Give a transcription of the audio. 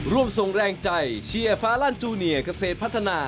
ร่วมส่งแรงใจเชียร์ฟ้าลั่นจูเนียเกษตรพัฒนา